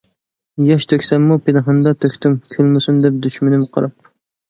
ياش تۆكسەممۇ پىنھاندا تۆكتۈم، كۈلمىسۇن دەپ دۈشمىنىم قاراپ.